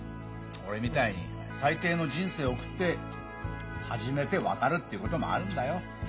俺みたいに最低の人生送って初めて分かるっていうこともあるんだよ。